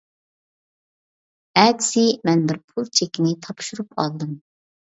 ئەتىسى مەن بىر پۇل چېكىنى تاپشۇرۇپ ئالدىم.